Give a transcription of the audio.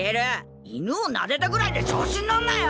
犬をなでたぐらいで調子に乗るなよ！